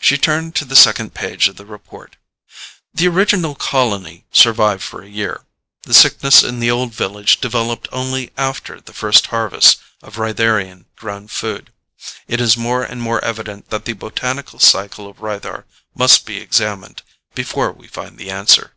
She turned to the second page of the report. "The original colony survived for a year. The Sickness in the Old Village developed only after the first harvest of Rytharian grown food. It is more and more evident that the botanical cycle of Rythar must be examined before we find the answer.